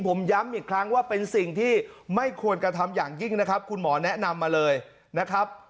ผมย้ำอีกครั้งว่าเป็นสิ่งที่ไม่ควรกระทำอย่างยิ่งนะครับคุณหมอแนะนำมาเลยนะครับ